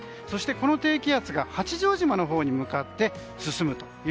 そして、この低気圧が八丈島に向かって進む。